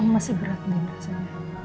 mama masih berat dengan rasanya